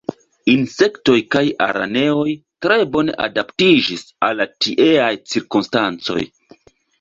Insektoj kaj araneoj tre bone adaptiĝis al la tieaj cirkonstancoj.